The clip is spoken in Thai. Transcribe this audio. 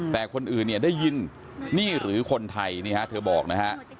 แต่คนอื่นได้ยินนี่หรือคนไทยเธอบอกนะครับ